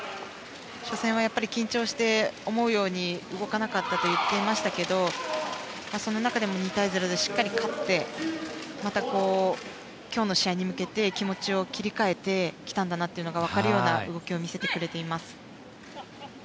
初戦は緊張して思うように動かなかったと言っていましたけどもその中でも２対０でしっかりと勝ってまた、今日の試合に向けて気持ちを切り替えてきたのが分かるような動きを見せてくれています。